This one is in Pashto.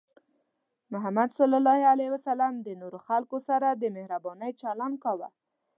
محمد صلى الله عليه وسلم د نورو خلکو سره د مهربانۍ چلند کاوه.